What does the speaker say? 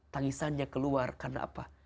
tangisannya keluar karena apa